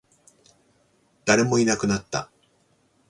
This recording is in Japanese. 誰もいなくなった